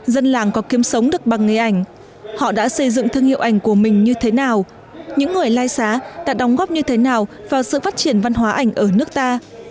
dân làng có kiếm sống được bằng nghề ảnh họ đã xây dựng thương hiệu ảnh của mình như thế nào những người lai xá đã đóng góp như thế nào vào sự phát triển văn hóa ảnh ở nước ta